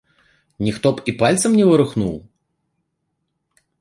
Ніхто б і пальцам не варухнуў?